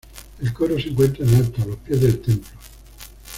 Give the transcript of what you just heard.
El coro se encuentra en alto, a los pies del templo.